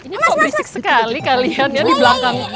ini kok berisik sekali kalian ya di belakang